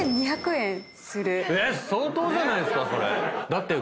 えっ⁉相当じゃないですかそれ。